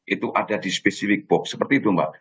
itu ada di spesifik box seperti itu mbak